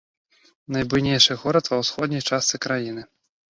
Найбуйнейшы горад ва ўсходняй частцы краіны.